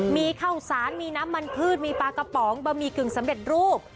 มีข้าวสารมีน้ำมันพืชมีปลากระป๋องบะหมี่กึ่งสำเร็จรูป